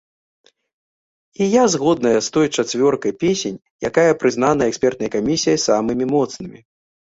І я згодная з той чацвёркай песень, якая прызнаная экспертнай камісіяй самымі моцнымі.